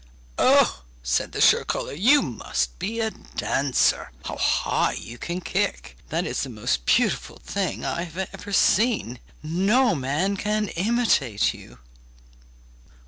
'Oh!' said the shirt collar, 'you must be a dancer! How high you can kick! That is the most beautiful thing I have ever seen! No man can imitate you!